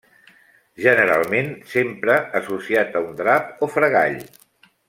Generalment s'empra associat a un drap o fregall.